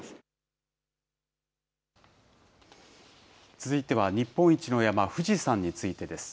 続いては日本一の山、富士山についてです。